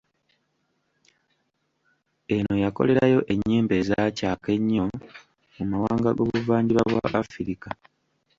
Eno yakolerayo ennyimba ezaacaaka ennyo mu mawanga g’Obuvanjuba bwa Afirika.